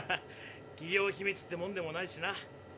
企業秘密ってもんでもないしな。